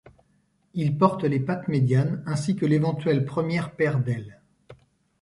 Il porte les pattes médianes, ainsi que l'éventuelle première paire d'ailes.